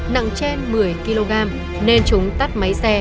nặng trên một mươi kg nên chúng tắt máy xe